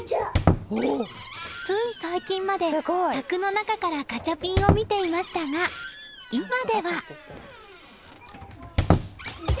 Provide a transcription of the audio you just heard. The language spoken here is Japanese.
つい最近まで柵の中からガチャピンを見ていましたが今では。